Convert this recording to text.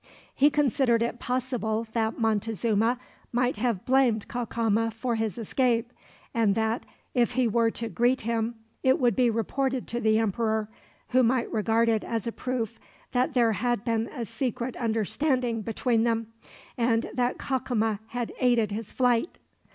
He considered it possible that Montezuma might have blamed Cacama for his escape; and that, if he were to greet him, it would be reported to the emperor, who might regard it as a proof that there had been a secret understanding between them, and that Cacama had aided his flight.